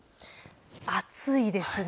暑いですね。